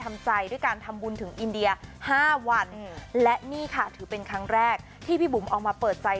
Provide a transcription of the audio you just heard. ทำใจด้วยการทำบุญถึงอินเดียห้าวันและนี่ค่ะถือเป็นครั้งแรกที่พี่บุ๋มออกมาเปิดใจ